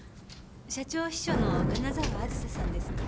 社長秘書の金澤梓さんですね？